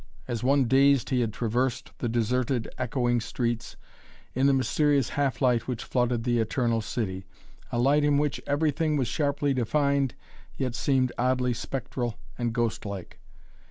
As one dazed he had traversed the deserted, echoing streets in the mysterious half light which flooded the Eternal City; a light in which everything was sharply defined yet seemed oddly spectral and ghostlike.